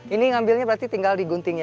ini ngambilnya berarti tinggal digunting ya